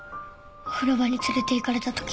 お風呂場に連れていかれたとき。